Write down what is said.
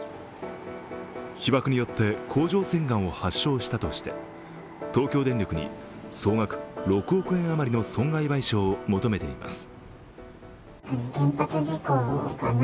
被ばくによって甲状腺がんを発症したとして東京電力に総額６億円余りの損害賠償を求めています。